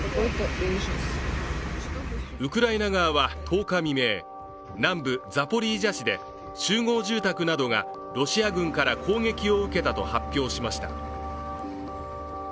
ウクライナ側は１０日未明南部ザポリージャ市で集合住宅などがロシア軍から攻撃を受けたと発表しました。